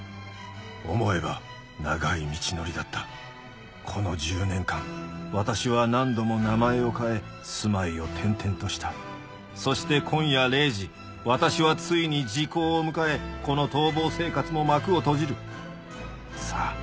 思えば長い道のりだったこの１０年間私は何度も名前を変え住まいを転々としたそして今夜０時私はついに時効を迎えこの逃亡生活も幕を閉じるさぁ